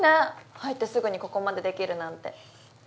入ってすぐにここまでできるなんて。